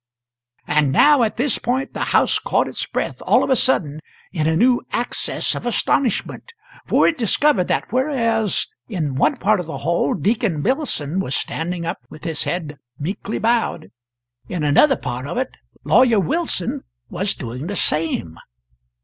And now at this point the house caught its breath all of a sudden in a new access of astonishment, for it discovered that whereas in one part of the hall Deacon Billson was standing up with his head weekly bowed, in another part of it Lawyer Wilson was doing the same.